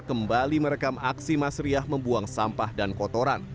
kembali merekam aksi mas riah membuang sampah dan kotoran